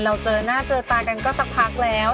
เจอหน้าเจอตากันก็สักพักแล้ว